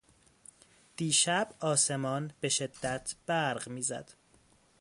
دیشب آسمان بهشدت برق میزد.